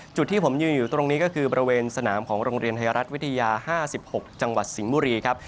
จุดที่ผมยืนอยู่ตรงนี้ก็คือบริเวณสนามของโรงเรียนไทยรัฐวิทยา๕๖จังหวัดสิงห์บุรีครับ